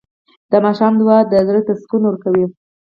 د ماښام دعا د زړه تسکین ورکوي.